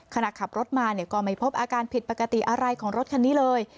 ขณะขับรถมาก็ไม่พบอาการผิดปกติอะไรของรถคันนี้เลย